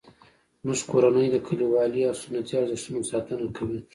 زموږ کورنۍ د کلیوالي او سنتي ارزښتونو ساتنه کوي